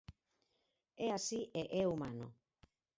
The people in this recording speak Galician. É así e é humano.